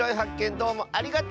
どうもありがとう！